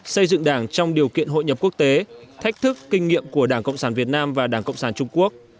xây dựng đảng trong điều kiện hội nhập quốc tế thách thức kinh nghiệm của đảng cộng sản việt nam và đảng cộng sản trung quốc